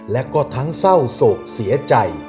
และก็ทั้งเศร้าโศกเสียใจ